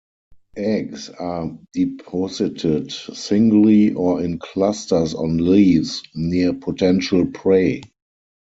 Eggs are deposited singly or in clusters on leaves near potential prey.